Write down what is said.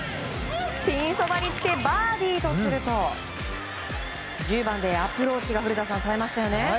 ピンそばにつけバーディーとすると１０番でアプローチがさえましたね。